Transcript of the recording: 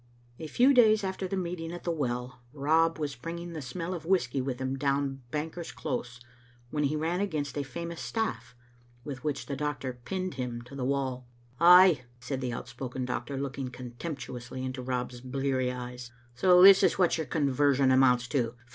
A few days after the meeting at the well, Rob was bringing the smell of whisky with him down Banker's Close when he ran against a famous staff, with which the doctor pinned him to the wall. •* Ay," said the outspoken doctor, looking contemptu ously into Rob's bleary eyes, "so this is what your conversion amounts to?